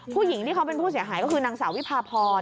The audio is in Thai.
ผู้หญิงที่เขาเป็นผู้เสียหายก็คือนางสาววิพาพร